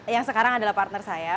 yang sekarang adalah partner saya